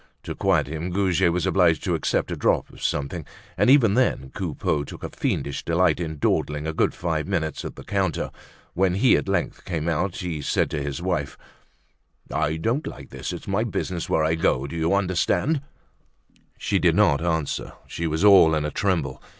To quiet him Goujet was obliged to accept a drop of something; and even then Coupeau took a fiendish delight in dawdling a good five minutes at the counter. When he at length came out he said to his wife: "I don't like this. It's my business where I go. Do you understand?" She did not answer. She was all in a tremble.